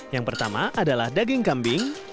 yang pertama adalah daging kambing